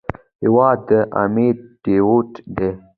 هېواد د امید ډیوټ دی.